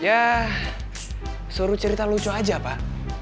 ya suruh cerita lucu aja pak